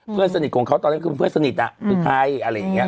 เพื่อนสนิทของเขาตอนนั้นคือเพื่อนสนิทคือใครอะไรอย่างนี้